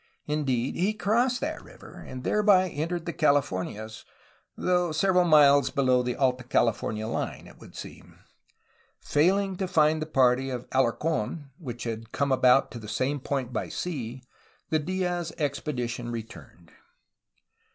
Indeed, he crossed that river, and thereby entered the CaKfornias, though several miles below the Alta California line, it would seem. Failing to find the party of Alarc6n, which had come to about the same point by sea, the Dfaz expedition returned.